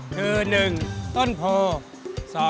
คือ๑ต้นโพ